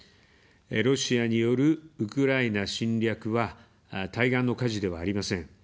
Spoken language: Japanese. ロシアによるウクライナ侵略は対岸の火事ではありません。